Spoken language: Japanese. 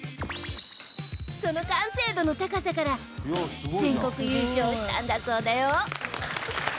その完成度の高さから全国優勝したんだそうだよ。